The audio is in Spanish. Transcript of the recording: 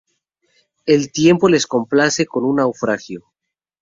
El tiempo les complace con un naufragio.